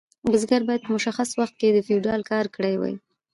بزګر باید په مشخص وخت کې د فیوډال کار کړی وای.